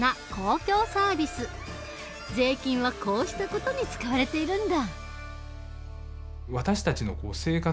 税金はこうした事に使われているんだ。